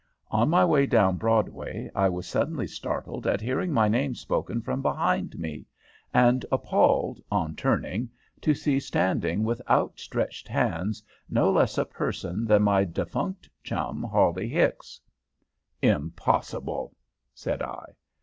On my way down Broadway I was suddenly startled at hearing my name spoken from behind me, and appalled, on turning, to see standing with outstretched hands no less a person than my defunct chum, Hawley Hicks." "Impossible," said I.